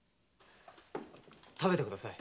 食べてください。